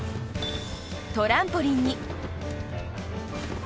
トランポリンに。